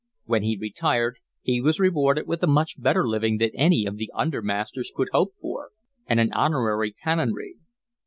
When he retired he was rewarded with a much better living than any of the under masters could hope for, and an honorary Canonry.